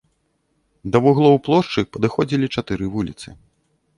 Да вуглоў плошчы падыходзілі чатыры вуліцы.